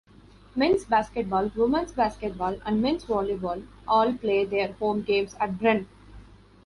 Men's basketball, women's basketball, and men's volleyball all play their home games at Bren.